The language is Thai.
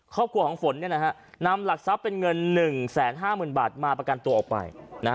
ครอบครัวของฝนนำหลักทรัพย์เป็นเงิน๑๕๐๐๐บาทมาประกันตัวออกไป